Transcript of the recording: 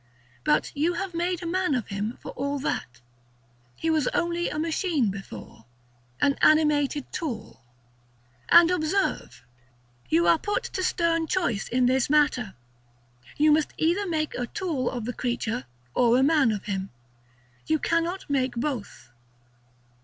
But you have made a man of him for all that. He was only a machine before, an animated tool. § XII. And observe, you are put to stern choice in this matter. You must either made a tool of the creature, or a man of him. You cannot make both.